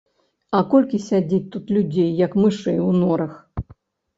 А колькі сядзіць тут людзей, як мышэй у норах.